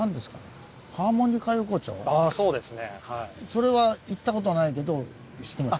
それは行った事ないけど知ってました。